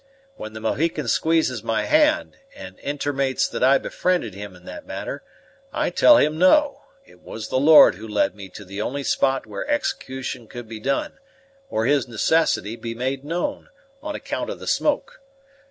When the Mohican squeezes my hand, and intermates that I befriended him in that matter, I tell him no; it was the Lord who led me to the only spot where execution could be done, or his necessity be made known, on account of the smoke.